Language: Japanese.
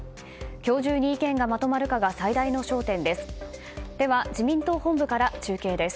今日中に意見がまとまるかが最大の焦点です。